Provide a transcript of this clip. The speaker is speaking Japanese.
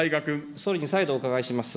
総理に再度お伺いします。